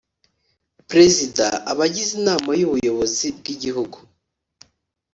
Perezida Abagize Inama y Ubuyobozi bwigihugu